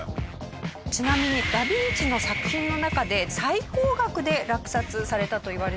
ちなみにダ・ヴィンチの作品の中で最高額で落札されたといわれているのが。